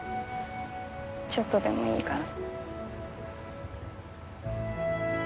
ちょっとでもいいから。